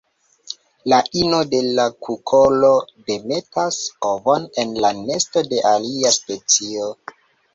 La ino de la kukolo demetas ovon en la nesto de alia specio.